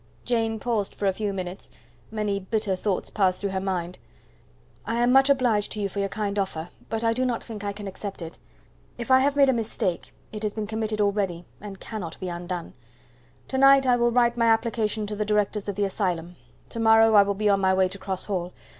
Jane paused for a few minutes many bitter thoughts passed through her mind. "I am much obliged to you for your kind offer, but I do not think I can accept it. If I have made a mistake, it has been committed already, and cannot be undone. To night, I will write my application to the directors of the Asylum; tomorrow I will be on my way to Cross Hall.